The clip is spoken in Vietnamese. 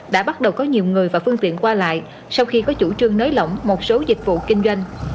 đã bắt đầu có nhiều người và phương tiện qua lại sau khi có chủ trương nới lỏng một số dịch vụ kinh doanh